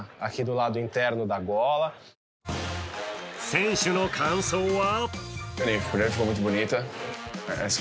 選手の感想は？